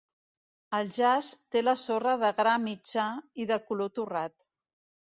El jaç té la sorra de gra mitjà i de color torrat.